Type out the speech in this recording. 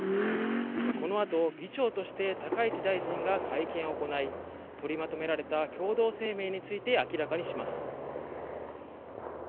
このあと議長として高市大臣が会見を行い取りまとめられた共同声明について明らかにします。